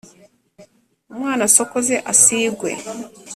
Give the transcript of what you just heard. umwana asokoze asigwe